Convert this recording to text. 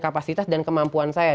kapasitas dan kemampuan saya